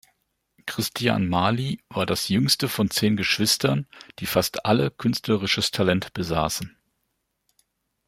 Christian Mali war das jüngste von zehn Geschwistern, die fast alle künstlerisches Talent besaßen.